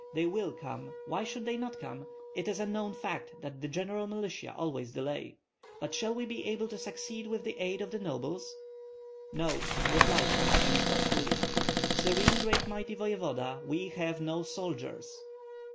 "They will come; why should they not come? It is a known fact that the general militia always delay. But shall we be able to succeed with the aid of the nobles?" "No," replied Pan Stanislav, coolly. "Serene great mighty voevoda, we have no soldiers."